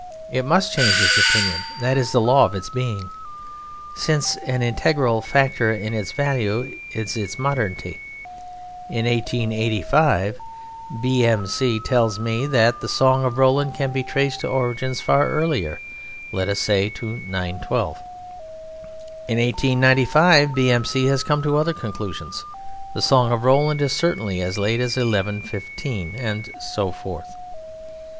It must change its opinion, that is the law of its being, since an integral factor in its value is its modernity. In 1885 B.M.C. tells me that the Song of Roland can be traced to origins far earlier, let us say to 912. In 1895 B.M.C. has come to other conclusions the Song of Roland is certainly as late as 1115 ... and so forth.